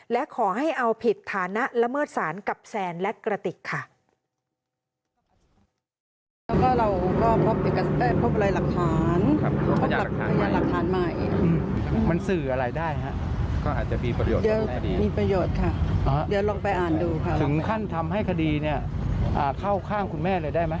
และขอให้เอาผิดฐานะละเมิดศาลกับแซนและกระติกค่ะ